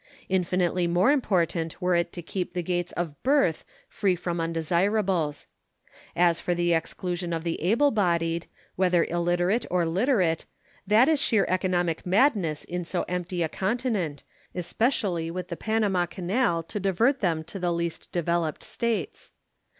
Infinitely more important were it to keep the gates of birth free from undesirables. As for the exclusion of the able bodied, whether illiterate or literate, that is sheer economic madness in so empty a continent, especially with the Panama Canal to divert them to the least developed States.